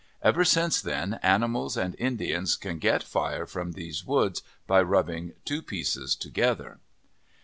Ever since then animals and Indians can get fire from these woods by rubbing two pieces together.